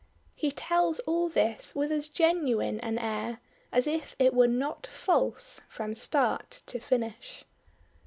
'" He tells all this with as genuine an air as if it was not false from start to finish.